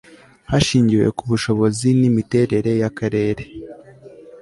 hashingiwe ku bushobozi n imiterere y akarere